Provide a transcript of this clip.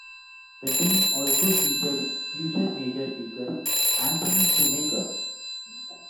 The team also featured future major leaguer Anthony Shumaker.